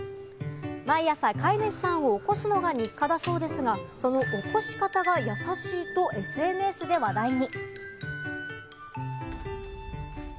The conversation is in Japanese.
毎朝、飼い主さんを起こすのが日課だそうですが、その起こし方が優しいとＳＮＳで話題に。